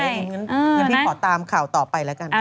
งั้นพี่ขอตามข่าวต่อไปแล้วกัน